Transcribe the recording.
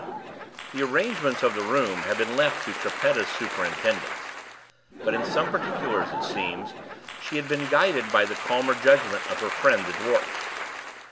The arrangements of the room had been left to Trippetta's superintendence; but, in some particulars, it seems, she had been guided by the calmer judgment of her friend the dwarf.